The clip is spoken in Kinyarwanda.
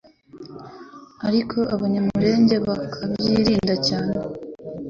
ariko Abanyamulenge bakabyirinda cyane